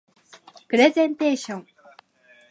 プレゼンテーション